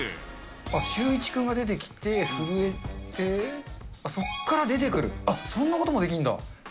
あっ、シューイチ君が出てきて、震えて、そっから出てくる、そんなこともできるんだ。